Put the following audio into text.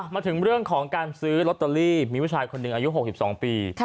มาถึงเรื่องของการซื้อลอตเตอรี่มีผู้ชายคนหนึ่งอายุ๖๒ปี